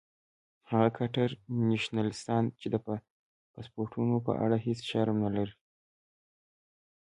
هغه کټر نیشنلستان چې د پاسپورټونو په اړه هیڅ شرم نه لري.